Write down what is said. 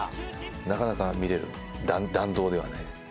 なかなか見れる弾道ではないです。